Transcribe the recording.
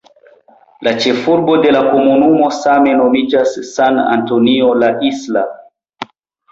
La ĉefurbo de la komunumo same nomiĝas "San Antonio la Isla".